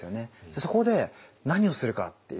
そこで何をするかっていう。